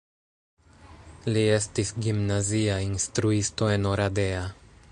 Li estis gimnazia instruisto en Oradea.